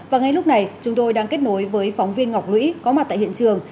và ngay lúc này chúng tôi đang kết nối với phóng viên ngọc lũy có mặt tại hiện trường